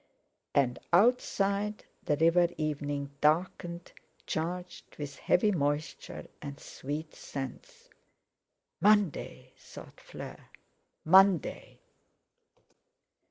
And outside, the river evening darkened, charged with heavy moisture and sweet scents. 'Monday,' thought Fleur; 'Monday!'